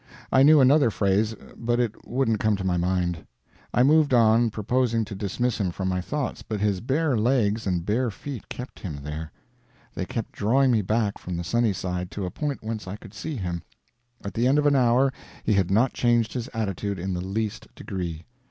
I knew another phrase, but it wouldn't come to my mind. I moved on, purposing to dismiss him from my thoughts, but his bare legs and bare feet kept him there. They kept drawing me back from the sunny side to a point whence I could see him. At the end of an hour he had not changed his attitude in the least degree.